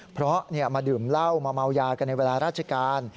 เพราะมาดื่มเหล้ามาเมายากันในเวลาราชการ